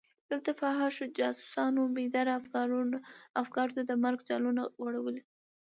دلته فحاشو جاسوسانو بېداره افکارو ته د مرګ جالونه غوړولي.